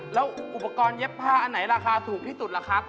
แล้วอุปกรณ์เย็บผ้าอันไหนราคาถูกที่สุดล่ะครับ